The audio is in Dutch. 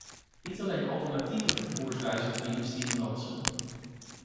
Niet alleen alternatieve vervoerswijzen verdienen stimulansen.